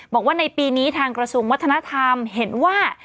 บอกว่าในปีนี้ทางกระทรวงวัฒนธรรมเห็นว่า